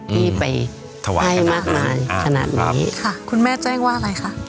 ที่ไปถวายให้มากมายขนาดนี้ค่ะคุณแม่แจ้งว่าอะไรคะ